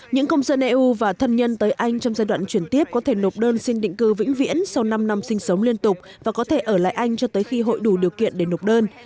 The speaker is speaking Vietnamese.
những công dân eu và thân nhân tới anh trong giai đoạn chuyển tiếp có thể nộp đơn xin định cư vĩnh viễn sau năm năm sinh sống liên tục và có thể ở lại anh cho tới khi hội đủ điều kiện để nộp đơn